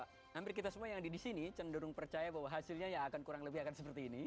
hampir kita semua yang di sini cenderung percaya bahwa hasilnya ya akan kurang lebih akan seperti ini